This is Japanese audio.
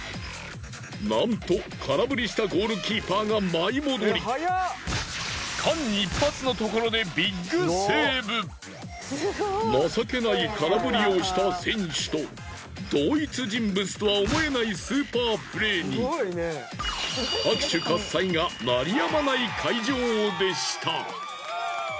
なんと空振りしたゴールキーパーが舞い戻り情けない空振りをした選手と同一人物とは思えないスーパープレーに拍手喝采が鳴りやまない会場でした。